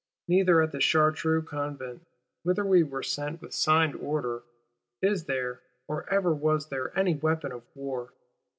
Neither at the Chartreux Convent, whither we were sent with signed order, is there or ever was there any weapon of war.